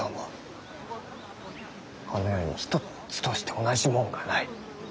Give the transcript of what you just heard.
この世にひとっつとして同じもんがない。